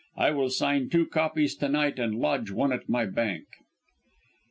I will sign two copies to night and lodge one at my bank."